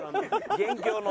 元凶の。